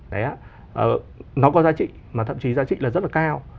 đấy nó có giá trị mà thậm chí giá trị là rất là cao